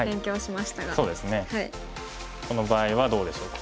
この場合はどうでしょう。